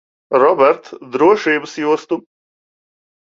Robert, drošības jostu.